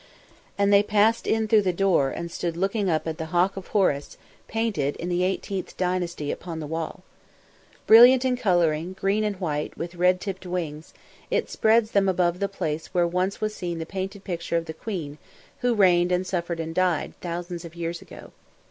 And they passed in through the door and stood looking up at the Hawk of Horus painted in the XVIII dynasty upon the wall. Brilliant in colouring, green and white, with red tipped wings, it spreads them above the place where once was seen the painted picture of the queen who reigned and suffered and died, thousands of years ago.